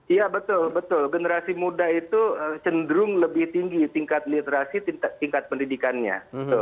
iya betul betul generasi muda itu cenderung lebih tinggi tingkat literasi tingkat pendidikannya